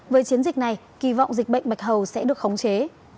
với chiến dịch này kỳ vọng dịch bệnh bạch hầu sẽ được khống chế